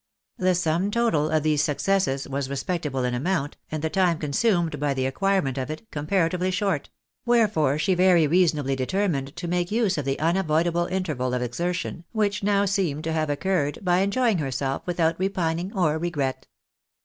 The sum total of these successes was respectable in amount, and the time consumed by the acquirement of it, comparatively short ; where fore she very reasonably determined to make use of the unavoidable interval of exertion, which now seemed to have occurred, by en joying herself without repining or regret.